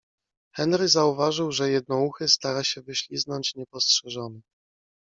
Henry zauważył, że Jednouchy stara się wyśliznąć niepostrzeżony.